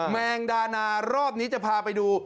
แมงดานารอบนี้จะพาไปดู